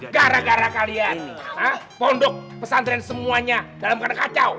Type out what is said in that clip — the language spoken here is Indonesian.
gara gara kalian pondok pesantren semuanya dalam keadaan kacau